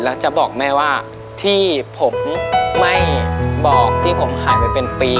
แล้วจะบอกแม่ว่าที่ผมไม่บอกที่ผมหายไปเป็นปี